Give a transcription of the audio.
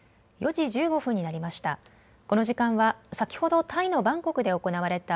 ４時１５分になりました。